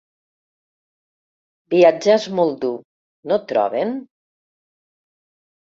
Viatjar és molt dur, no troben?